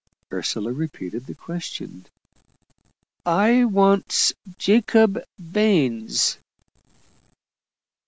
Ursula repeated the question. "I wants Jacob Baines."